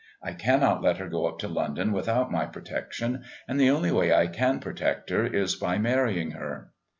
I cannot let her go up to London without any protection, and the only way I can protect her is by marrying her.